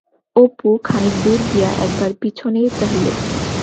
অপু খানিক দূর গিয়া একবার পিছনে চাহিল।